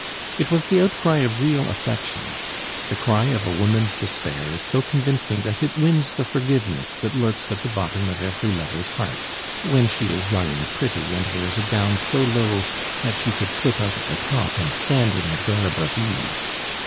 It was the outcry of real affection. The cry of a woman's despair is so convincing that it wins the forgiveness that lurks at the bottom of every lover's heart when she is young and pretty, and wears a gown so low that she could slip out at the top and stand in the garb of Eve.